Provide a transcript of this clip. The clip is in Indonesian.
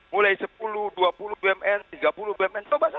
mulai sepuluh dua puluh bumn tiga puluh bumn coba saja